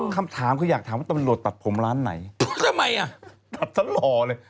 คำถามคืออยากถามว่าตำรวจตัดผมร้านไหนทำไมอ่ะตัดฉันหล่อเลย